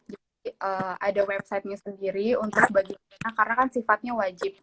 jadi ada websitenya sendiri untuk bagi karena kan sifatnya wajib